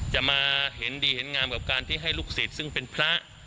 จะมาเห็นดีเห็นงามกับการที่ให้ลูกศิษย์ซึ่งเป็นพระ